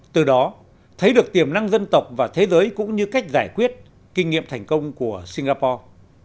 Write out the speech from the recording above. từ đó thấy được tiềm năng dân tộc và thế giới cũng như cách giải quyết kinh nghiệm thành công của singapore